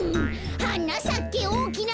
「はなさけおおきなガマ」